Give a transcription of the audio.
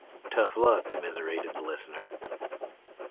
"Tough luck," commiserated the listener.